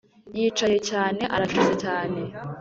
yicaye cyane, aracecetse cyane,